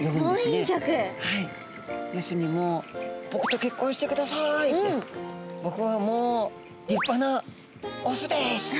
はい要するにもう「僕と結婚してください」って「僕はもう立派なオスです」。